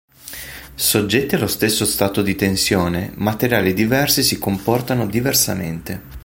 Soggetti allo stesso stato di tensione, materiali diversi si comportano diversamente.